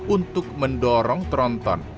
untuk mendorong tronton